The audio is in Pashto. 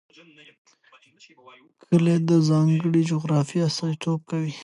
کلي د ځانګړې جغرافیې استازیتوب کوي.